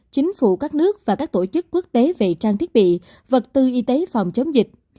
chính phủ các nước và các tổ chức quốc tế về trang thiết bị vật tư y tế phòng chống dịch